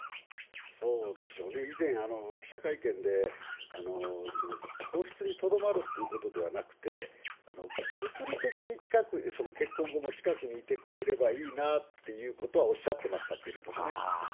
そうでしょうね、以前、記者会見で皇室にとどまるっていうことではなくて、物理的に近く、結婚後も近くにいてくれればいいなっていうことはおっしゃってましたけれどもね。